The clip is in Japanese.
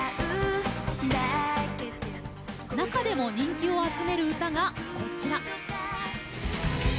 中でも人気を集める歌がこちら。